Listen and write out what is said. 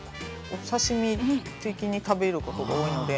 お刺身的に食べることが多いので。